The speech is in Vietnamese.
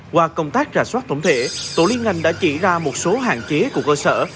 qua công tác ra soát tổng thể tổ liên ngành đã chỉ ra một số hạn chế của cơ sở